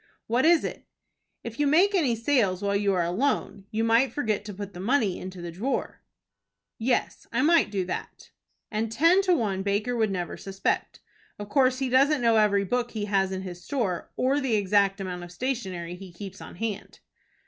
"What is it?" "If you make any sales while you are alone you might forget to put the money into the drawer." "Yes, I might do that." "And ten to one Baker would never suspect. Of course he doesn't know every book he has in his store or the exact amount of stationery he keeps on hand."